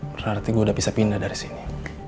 berarti gue udah bisa pindah dari sini